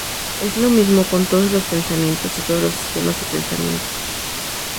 Es lo mismo con todos los pensamientos y todos los sistemas de pensamiento.